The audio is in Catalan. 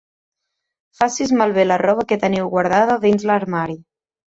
Facis malbé la roba que teniu guardada dins de l'armari.